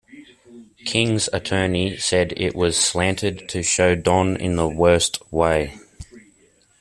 King's attorney said It was slanted to show Don in the worst way.